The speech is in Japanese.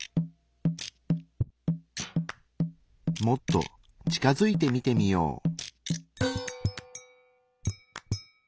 もっと近づいて見てみよう。